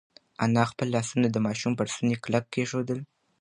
انا خپل لاسونه د ماشوم پر ستوني کلک کېښودل.